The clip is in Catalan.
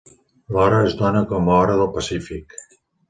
L'hora es dona com Hora del Pacífic.